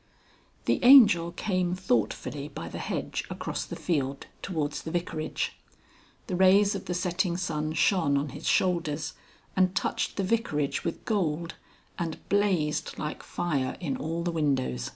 XXXII. The Angel came thoughtfully by the hedge across the field towards the Vicarage. The rays of the setting sun shone on his shoulders, and touched the Vicarage with gold, and blazed like fire in all the windows.